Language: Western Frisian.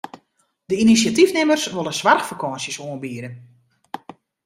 De inisjatyfnimmers wolle soarchfakânsjes oanbiede.